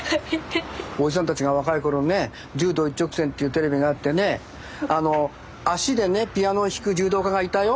おじさんたちが若い頃ね「柔道一直線」っていうテレビがあってねあの足でねピアノを弾く柔道家がいたよ。